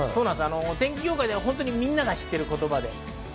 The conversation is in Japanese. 天気業界ではみんなが知っている言葉です。